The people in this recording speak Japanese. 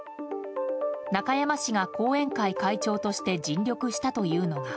中山氏が後援会会長として尽力したというのが